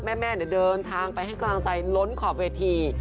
แม่เดินทางไปให้กำลังใจล้นขอบเวที